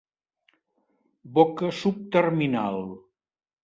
Boca subterminal.